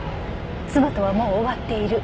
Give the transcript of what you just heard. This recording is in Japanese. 「妻とはもう終わっている。